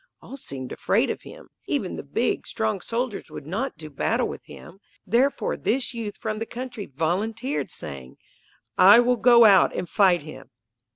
All seemed afraid of him. Even the big, strong soldiers would not do battle with him. Therefore this youth from the country volunteered saying, "I will go out and fight him."